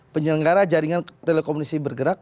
penyelenggara jaringan telekomunikasi bergerak